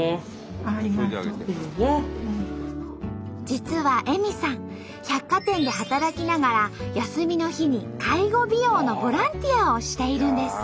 実は絵美さん百貨店で働きながら休みの日に介護美容のボランティアをしているんです。